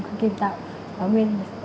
khương kim tạo báo nguyên